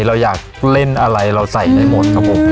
เราอยากเล่นอะไรเราใส่ได้หมดครับผม